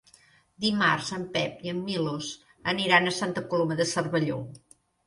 Dimarts en Pep i en Milos aniran a Santa Coloma de Cervelló.